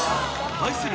対する